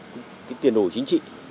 cái tiền đổi chính trị